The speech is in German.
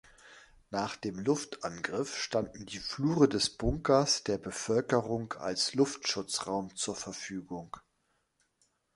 Nach dem Luftangriff standen die Flure des Bunkers der Bevölkerung als Luftschutzraum zur Verfügung.